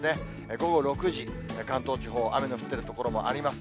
午後６時、関東地方、雨の降っている所もあります。